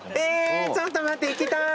ちょっと待って行きたい！